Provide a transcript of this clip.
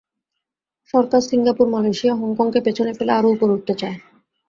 সরকার Singapore, Malaysia, হংকংকে পেছনে ফেলে আরও ওপরে উঠতে চায়।